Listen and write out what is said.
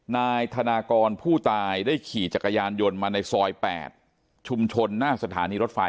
นายธนากรผู้ตายได้ขี่จักรยานยนต์มาในซอย๘ชุมชนหน้าสถานีรถไฟ